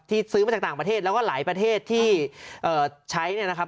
ซื้อมาจากต่างประเทศแล้วก็หลายประเทศที่ใช้เนี่ยนะครับ